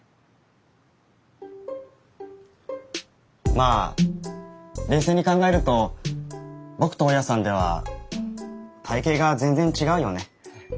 まあ冷静に考えると僕と大家さんでは体型が全然違うよね。